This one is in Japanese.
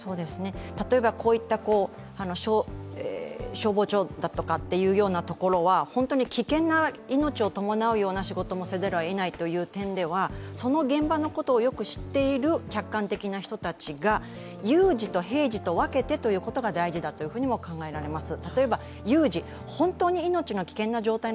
例えばこういった、消防庁だとかっていうようなところは本当に危険な命を伴うような仕事もせざるをえないという点ではその現場のことをよく知っている客観的な人たちが、有事と平時と分けてということが大事だというふうにも考えられます。